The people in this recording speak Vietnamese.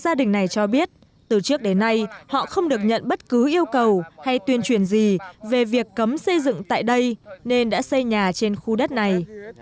gia đình này cho biết từ trước đến nay họ không được nhận bất cứ yêu cầu hay tuyên truyền gì về việc cấm xây dựng tại đây nên đã xây nhà trên khu đất này